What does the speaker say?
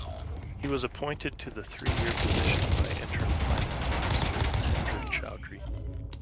He was appointed to the three-year position by interim Finance Minister, Mahendra Chaudhry.